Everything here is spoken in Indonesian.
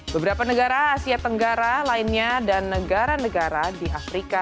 beberapa negara asia tenggara lainnya dan negara negara di afrika